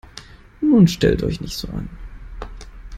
Nun stellt euch nicht so an!